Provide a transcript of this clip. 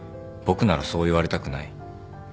僕ならそう言われたくない。